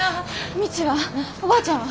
未知はおばあちゃんは？